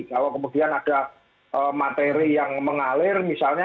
kalau kemudian ada materi yang mengalir misalnya